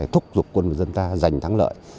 thúc giục quân dân ta giành thắng lợi